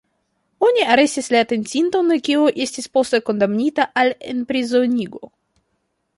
Oni arestis la atencinton, kiu estis poste kondamnita al enprizonigo.